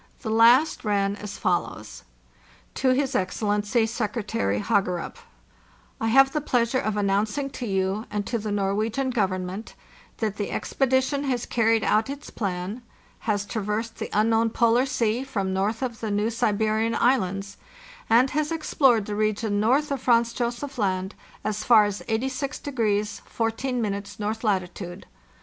The last ran as follows: "To his Excellency Secretary HaGERupP: "T have the pleasure of announcing to you and to the Norwegian Government that the expedition has carried out its plan, has traversed the unknown Polar Sea from north of the New Siberian Islands, and has explored the region north of Franz Josef Land as far as 86 14° north latitude.